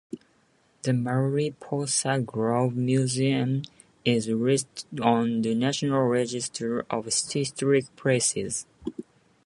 The Mariposa Grove Museum is listed on the National Register of Historic Places.